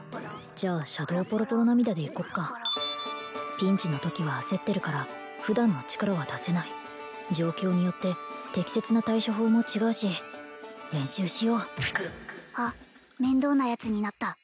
じゃあシャドウポロポロ涙でいこっかピンチのときは焦ってるから普段の力は出せない状況によって適切な対処法も違うし練習しようあっ面倒なやつになった